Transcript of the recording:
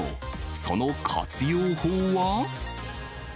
その活用法は？